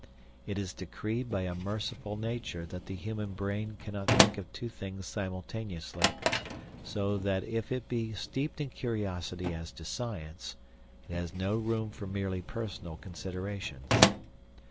It is decreed by a merciful Nature that the human brain cannot think of two things simultaneously, so that if it be steeped in curiosity as to science it has no room for merely personal considerations.